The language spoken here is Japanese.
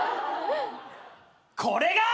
これが。